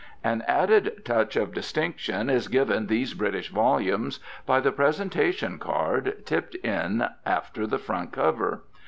An added touch of distinction is given these British volumes by the presentation card, tipped in after the front cover.